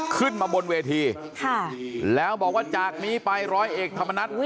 ขึ้นมาบนเวทีแล้วบอกว่าจากนี้ไปร้อยเอกธรรมนัฐ